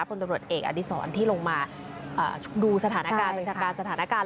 ตำรวจเอกอดิษรที่ลงมาดูสถานการณ์บัญชาการสถานการณ์